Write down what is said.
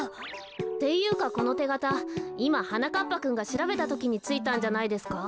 っていうかこのてがたいまはなかっぱくんがしらべたときについたんじゃないですか？